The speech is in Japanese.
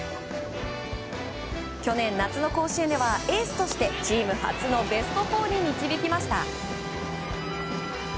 去年、夏の甲子園ではエースとしてチーム初のベスト４に導きました。